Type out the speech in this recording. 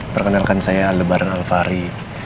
perkenalkan saya aldebaran alvari